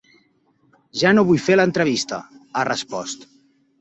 Ja no vull fer l’entrevista, ha respost.